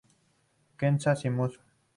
Kenta Shimizu